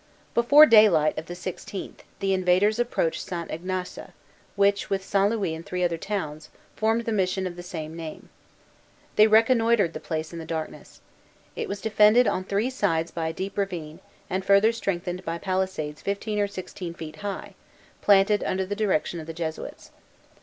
Before daylight of the sixteenth, the invaders approached St. Ignace, which, with St. Louis and three other towns, formed the mission of the same name. They reconnoitred the place in the darkness. It was defended on three sides by a deep ravine, and further strengthened by palisades fifteen or sixteen feet high, planted under the direction of the Jesuits.